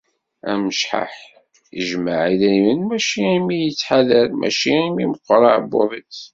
Amecḥaḥ ijemmeε idrimen mačči imi yettḥadar, maca imi meqqer aεebbuḍ-is.